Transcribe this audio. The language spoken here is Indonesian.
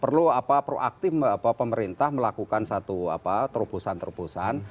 perlu proaktif pemerintah melakukan satu terobosan terobosan